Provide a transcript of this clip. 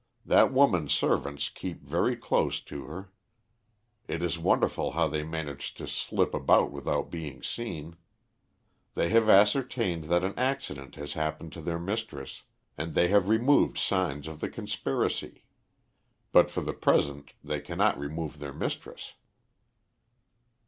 That woman's servants keep very close to her. It is wonderful how they manage to slip about without being seen. They have ascertained that an accident has happened to their mistress, and they have removed signs of the conspiracy. But for the present they cannot remove their mistress."